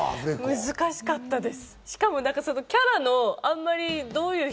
難しかったです。